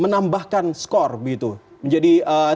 menambahkan skor begitu menjadi satu tiga